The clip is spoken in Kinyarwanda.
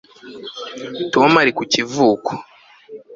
tom ari ku kivuko